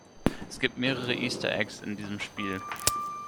Es gibt mehrere Easter Eggs in diesem Spiel.